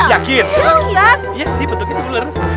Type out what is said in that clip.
yakin iya sih bentuknya sih ular